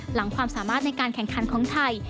หลังความสามารถในการแข่งขันของไทย